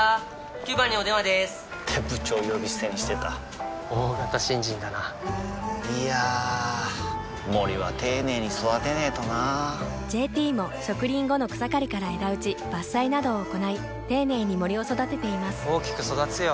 ９番にお電話でーす！って部長呼び捨てにしてた大型新人だないやー森は丁寧に育てないとな「ＪＴ」も植林後の草刈りから枝打ち伐採などを行い丁寧に森を育てています大きく育つよ